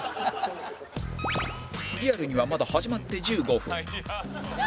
リアルにはまだ始まって１５分